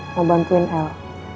mau bantuin el